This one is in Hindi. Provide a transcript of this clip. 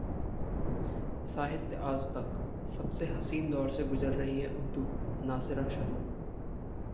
साहित्य आजतक: सबसे हसीन दौर से गुजर रही है उर्दू - नासिरा शर्मा